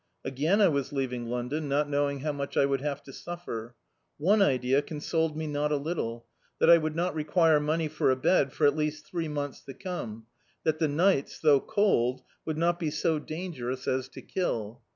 Again I was leaving London, not knowing how much I would have to suffer. One idea ccHisoled me not a little; that I would not require money for a bed for at least three months to come; that the ni^ts, though cold, would not be so dangerous as D,i.,.db, Google The Autobiography of a Super Tramp to kill.